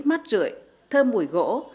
mát rưỡi thơm mùi gỗ